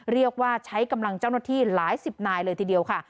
เรียกว่าใช้กำลังเจ้าหน้าที่หลายสิบนายเลยทีเดียวค่ะ